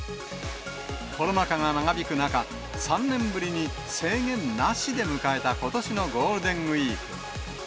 コロナ禍が長引く中、３年ぶりに制限なしで迎えたことしのゴールデンウィーク。